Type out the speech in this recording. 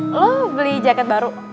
lo beli jaket baru